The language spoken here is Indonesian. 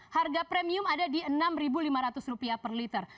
harga premium ada di rp enam lima ratus per liter